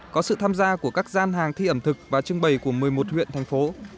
có sự tham gia của các gian hàng thi ẩm thực và trưng bày của một mươi một huyện thành phố